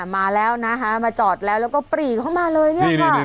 มาแล้วนะฮะมาจอดแล้วก็ปรีกเข้ามาเลยเนี่ยครับ